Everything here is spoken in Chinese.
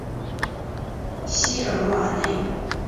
西尔瓦内。